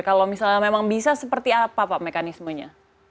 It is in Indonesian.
kalau misalnya memang bisa seperti apa pak mekanismenya